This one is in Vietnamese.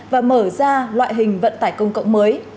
và mở ra loại hình vận tải công cộng mới